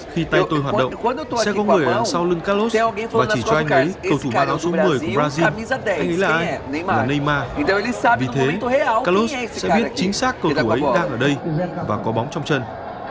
khi tay tôi hoạt động sẽ có người ở đằng sau lưng carlos và chỉ cho anh ấy cầu thủ ba đoạn số một mươi của brazil anh ấy là ai là neymar vì thế carlos sẽ biết chính xác cầu thủ ấy đang ở đây và có bóng trong chân